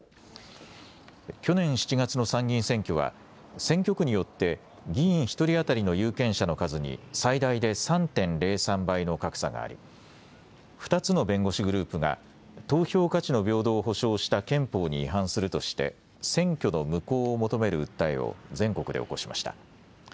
去年７月の参議院選挙は選挙区によって議員１人当たりの有権者の数に最大で３．０３倍の格差があり２つの弁護士グループが投票価値の平等を保障した憲法に違反するとして選挙の無効を求める訴えを全国で起こしました。